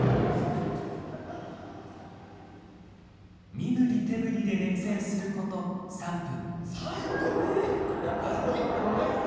身ぶり手ぶりで熱演すること３分。